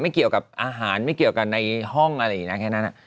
ไม่เกี่ยวกับอาหารไม่เกี่ยวกันในห้องอะไรอย่างนี้นะแค่นั้น